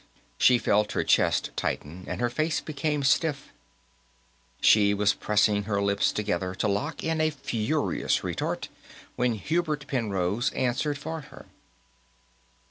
She felt her chest tighten and her face become stiff. She was pressing her lips together to lock in a furious retort when Hubert Penrose answered for her.